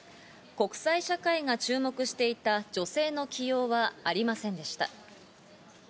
国際社会が注目していた女性の起用はありませんでした。